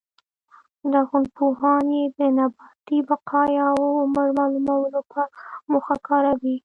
لرغونپوهان یې د نباتي بقایاوو عمر معلومولو په موخه کاروي